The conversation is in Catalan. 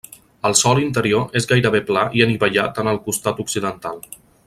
El sòl interior és gairebé pla i anivellat en el costat occidental.